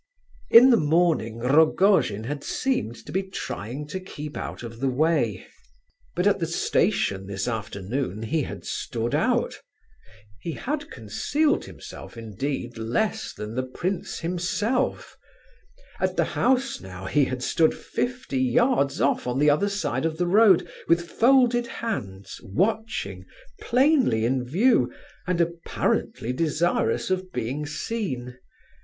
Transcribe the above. In the morning Rogojin had seemed to be trying to keep out of the way; but at the station this afternoon he had stood out, he had concealed himself, indeed, less than the prince himself; at the house, now, he had stood fifty yards off on the other side of the road, with folded hands, watching, plainly in view and apparently desirous of being seen.